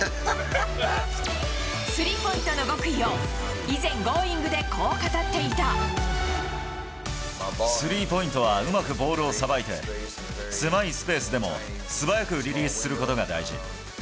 スリーポイントの極意を以前、スリーポイントはうまくボールをさばいて、狭いスペースでも素早くリリースすることが大事。